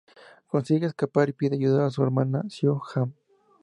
Consigue escapar y pide ayuda a su hermana Siobhan.